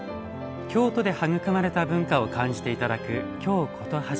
京都で育まれた文化を感じて頂く「京コトはじめ」。